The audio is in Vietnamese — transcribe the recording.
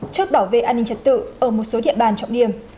chốt bảo vệ an ninh trật tự ở một số địa bàn trọng điểm